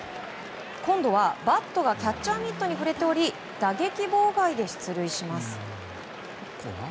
今度はバットがキャッチャーミットに触れており打撃妨害で出塁します。